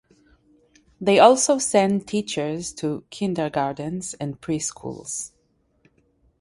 They also send teachers to kindergartens and pre-schools.